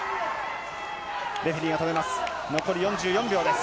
レフェリーが止めます。